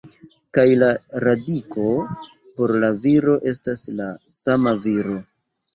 Kaj la radiko, por la viro, estas la sama viro.